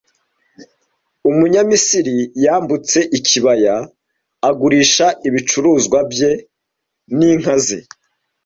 Umunyamisiri yambutse ikibaya agurisha ibicuruzwa bye n'inka ze,